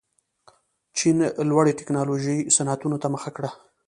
چین لوړې تکنالوژۍ صنعتونو ته مخه کړه.